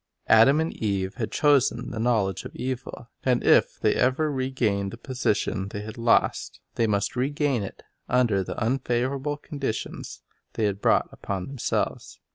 Adam and Eve had chosen the knowledge of evil; and if they ever regained the position they had lost, they must regain it under the unfavorable conditions they had brought upon themselves.